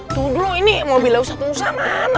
tuh dulu ini mobilnya usah usah mana